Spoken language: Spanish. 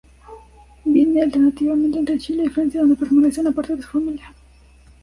Vive alternativamente entre Chile y Francia, donde permanece una parte de su familia.